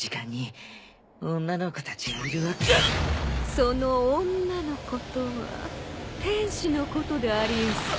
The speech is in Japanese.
その「女の子」とは天使のことでありんすか？